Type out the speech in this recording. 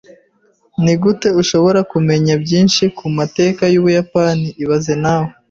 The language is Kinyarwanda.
Nigute ushobora kumenya byinshi ku mateka y'Ubuyapani ibaze nawe